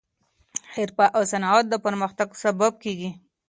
حرفه او صنعت د پرمختګ سبب کیږي.